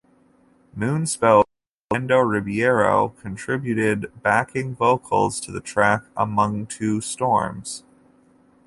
Moonspell's Fernando Ribeiro contributed backing vocals to the track "Among Two Storms".